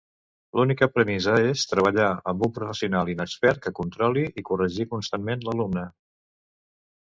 L'única premissa és treballar amb un professional inexpert que controli i corregeixi constantment l'alumne.